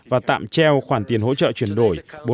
và tạm treo khoản tiền hỗ trợ chuyển đổi